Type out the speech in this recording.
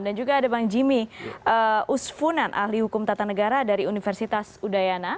dan juga ada bang jimmy usfunan ahli hukum tata negara dari universitas udayana